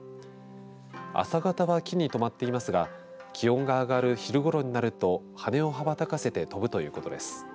朝方は木に止まっていますが気温が上がる昼ごろになると羽を羽ばたかせて飛ぶということです。